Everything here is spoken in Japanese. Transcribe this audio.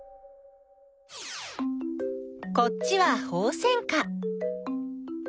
こっちはホウセンカ。